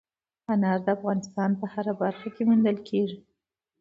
انار د افغانستان په هره برخه کې موندل کېږي.